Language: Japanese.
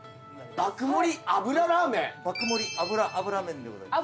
爆盛油脂麺でございます。